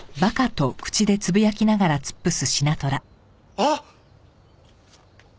あっ！